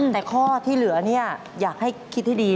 แต่ข้อที่เหลือเนี่ยอยากให้คิดให้ดี